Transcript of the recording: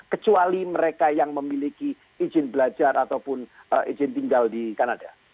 kecuali mereka yang memiliki izin belajar ataupun izin tinggal di kanada